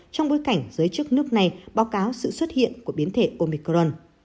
trong bối cảnh giới chức nước này báo cáo sự xuất hiện của biến thể omicron